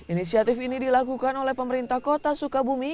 inisiatif ini dilakukan oleh pemerintah kota sukabumi